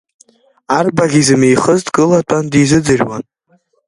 Арбаӷь измихыз дкылатәан дизыӡырҩуан.